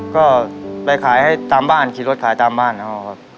ก็ไปขายให้ตามบ้านขี่รถขายตามบ้านเขาครับ